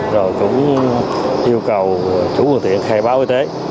rồi cũng yêu cầu chủ phương tiện khai báo y tế